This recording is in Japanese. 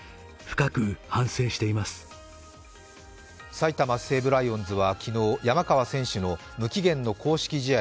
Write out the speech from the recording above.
埼玉西武ライオンズは昨日、山川選手の無期限の公式試合